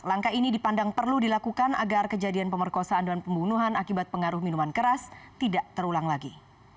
langkah ini dipandang perlu dilakukan agar kejadian pemerkosaan dan pembunuhan akibat pengaruh minuman keras tidak terulang lagi